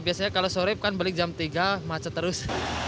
biasanya kalau sore kan balik jam tiga macet terus